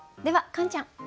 ではカンちゃん。